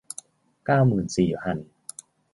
เก้าหมื่นสี่พัน